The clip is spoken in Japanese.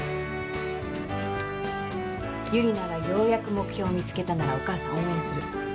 ユリナがようやく目標見つけたならお母さん応援する。